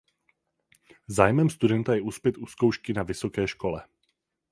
Zájmem studenta je uspět u zkoušky na vysoké škole.